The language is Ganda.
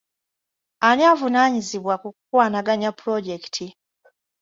Ani avunaanyizibwa ku kukwanaganya pulojekiti?